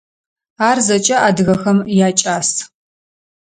Ар зэкӏэ адыгэхэм якӏас.